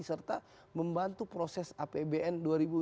serta membantu proses apbn dua ribu lima belas